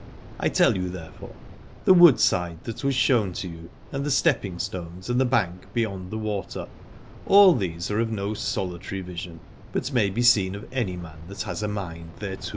I tell you, therefore, the woodside that was shown to you, and the stepping stones, and the bank beyond the water, all these are of no solitary vision, but may be seen of any man that has a mind thereto.